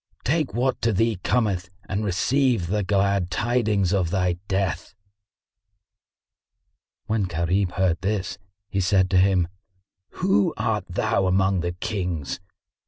Take what to thee cometh and receive the glad tidings of thy death." When Gharib heard this, he said to him, "Who art thou among the Kings?"